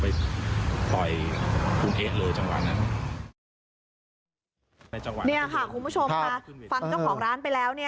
เนี่ยค่ะคุณผู้ชมฟังเจ้าของร้านไปแล้ว